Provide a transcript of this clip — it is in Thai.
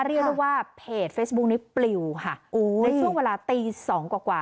เรียกได้ว่าเพจเฟซบุ๊คนี้ปลิวค่ะโอ้ในช่วงเวลาตีสองกว่ากว่า